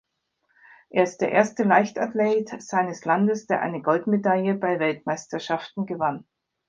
Er ist der erste Leichtathlet seines Landes, der eine Goldmedaille bei Weltmeisterschaften gewann.